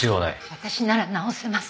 私なら治せます。